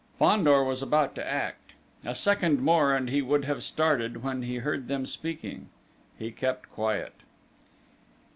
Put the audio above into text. Fandor was about to act: a second more and he would have started, when he heard them speaking. He kept quiet.